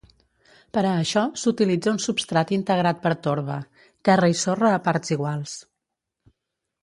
Per a això s'utilitza un substrat integrat per torba, terra i sorra a parts iguals.